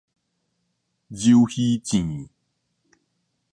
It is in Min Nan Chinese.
鰇魚糋